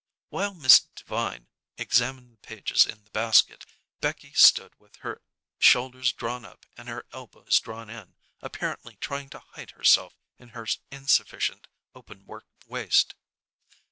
While Miss Devine examined the pages in the basket, Becky stood with her shoulders drawn up and her elbows drawn in, apparently trying to hide herself in her insufficient open work waist.